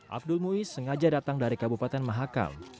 abdul muiz sengaja datang dari kabupaten mahakal